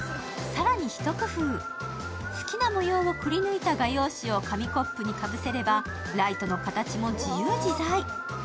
更にひと工夫、好きな模様をくり抜いた画用紙を紙コップにかぶせれば、ライトの形も自由自在。